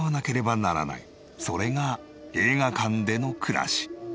それが映画館での暮らし。